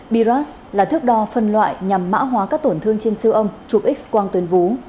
biras là thước đo phân loại nhằm mã hóa các tổn thương trên siêu âm chụp x quang tuyến vú